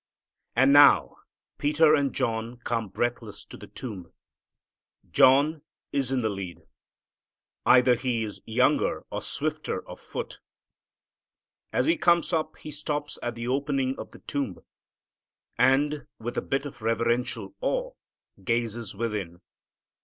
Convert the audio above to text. And now Peter and John come breathless to the tomb. John is in the lead. Either he is younger or swifter of foot. As he comes up he stops at the opening of the tomb, and, with a bit of reverential awe, gazes within.